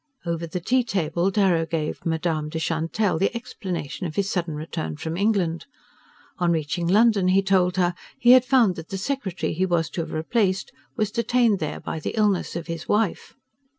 Over the tea table Darrow gave Madame de Chantelle the explanation of his sudden return from England. On reaching London, he told her, he had found that the secretary he was to have replaced was detained there by the illness of his wife.